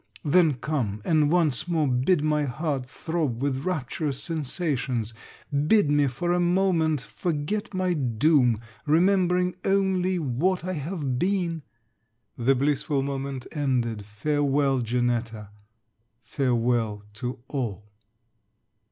Then come, and once more bid my heart throb with rapturous sensations! Bid me for a moment forget my doom, remembering only what I have been! The blissful moment ended, farewel, Janetta! farewel to all!